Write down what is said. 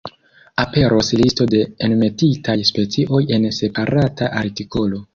Aperos listo de enmetitaj specioj en separata artikolo.